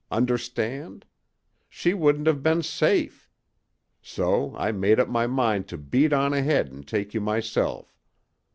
Understand? She wouldn't have been safe! So I made up my mind to beat on ahead and take you myself.